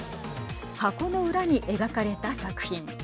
箱の裏に描かれた作品。